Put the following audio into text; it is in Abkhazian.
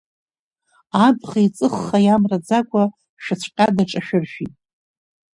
Абӷеиҵыхха иамраӡакәа шәыцәҟьа даҿашәыршәит.